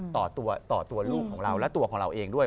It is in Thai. ต่อตัวต่อตัวลูกของเราและตัวของเราเองด้วย